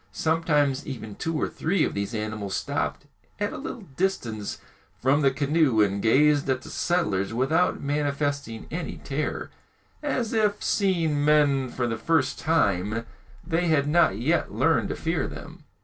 Sometimes even two or three of these animals stopped at a little distance from the canoe and gazed at the settlers without manifesting any terror, as if, seeing men for the first time, they had not yet learned to fear them.